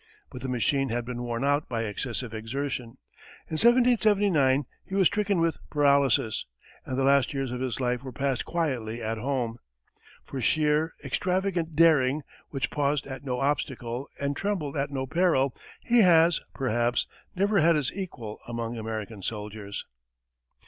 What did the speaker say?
But the machine had been worn out by excessive exertion; in 1779 he was stricken with paralysis, and the last years of his life were passed quietly at home. For sheer, extravagant daring, which paused at no obstacle and trembled at no peril, he has, perhaps, never had his equal among American soldiers.